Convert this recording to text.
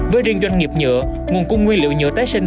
với riêng doanh nghiệp nhựa nguồn cung nguyên liệu nhựa tái sinh